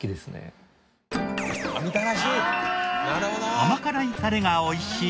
甘辛いタレがおいしい